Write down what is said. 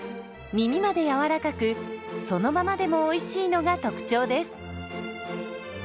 みみまでやわらかくそのままでもおいしいのが特徴です。